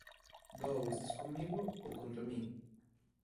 Do 'ou estás comigo ou contra mi'.